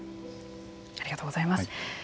ありがとうございます。